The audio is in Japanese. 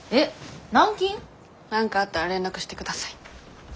何かあったら連絡して下さい。